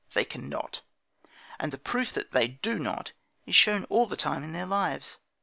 They cannot. And the proof that they do not is shown all the time in their lives.